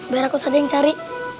biar aku saja yang cari